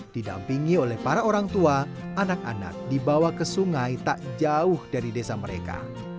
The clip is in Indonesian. didampingi oleh para orang tua anak anak dibawa ke sungai tak jauh dari desa mereka